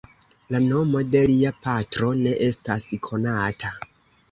La nomo de lia patro ne estas konata.